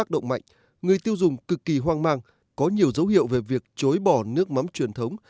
do vậy người dân vẫn không khỏi hoang mang